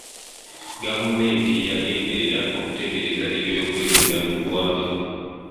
Gavumenti yagenderera okutereeza ebyokwerinda mu ggwanga.